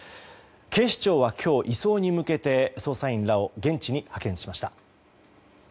警視庁は今日、移送に向けて捜査員らを現地に派遣しました。